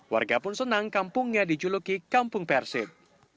warga pun senang kampungnya dijuluki kampung persib